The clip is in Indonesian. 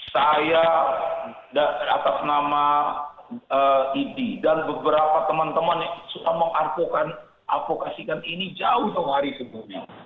saya atas nama idi dan beberapa teman teman yang suka mengadvokasikan ini jauh jauh hari sebelumnya